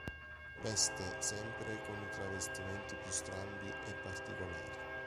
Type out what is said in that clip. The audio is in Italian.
Veste sempre con i travestimenti più strambi e particolari.